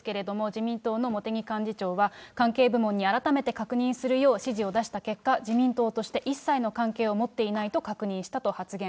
自民党の茂木幹事長は、関係部門に改めて確認するよう指示を出した結果、自民党として一切の関係を持っていないと確認したと発言。